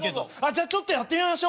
じゃちょっとやってみましょう。